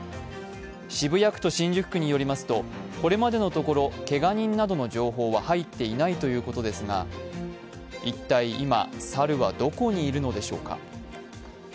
渋谷区と新宿区によりますと、これまでのところ、けが人などの情報は入っていないということですが、一体、今、猿はどこにいるのでしょうか。